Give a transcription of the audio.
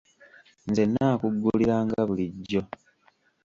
Nze nnaakugguliranga bulijjo.